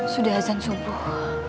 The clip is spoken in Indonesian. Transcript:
sudah ajan subuh